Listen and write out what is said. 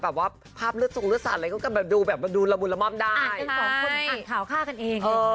ใช่เออเพื่อความสบายใจ